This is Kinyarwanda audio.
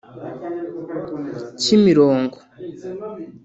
Kimirongo